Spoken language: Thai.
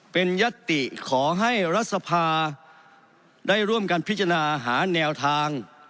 เป็นยัตติขอให้รัฐสภาได้ร่วมกันพิจารณาหาแนวทาง